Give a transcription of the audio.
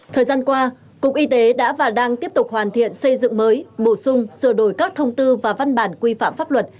thời gian qua cục y tế đã và đang tiếp tục hoàn thiện xây dựng mới bổ sung sửa đổi các thông tư và văn bản quy phạm pháp luật